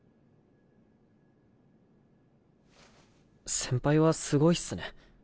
先輩はすごいっすね